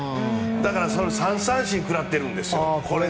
だから３三振食らってるんです。